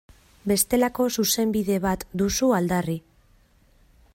Bestelako Zuzenbide bat duzu aldarri.